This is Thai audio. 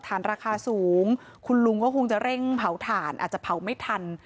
ฐานราคาสูงคุณลุงก็คงจะเร่งเผาถ่านอาจจะเผาไม่ทัน